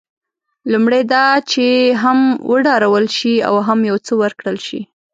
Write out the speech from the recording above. لومړی دا چې هم وډارول شي او هم یو څه ورکړل شي.